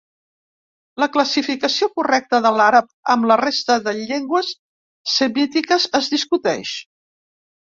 La classificació correcta de l'àrab amb la resta de llengües semítiques es discuteix.